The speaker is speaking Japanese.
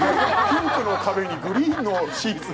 ピンクの壁にグリーンのシーツ